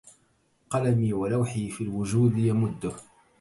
قلمي ولوحي في الوجود يمده